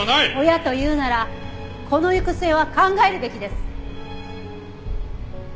親と言うなら子の行く末は考えるべきです。